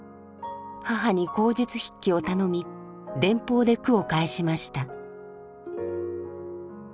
母に口述筆記を頼み電報で句を返しました。